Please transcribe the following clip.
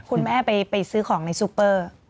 คุณแม่ไปซื้อของในซูเปอร์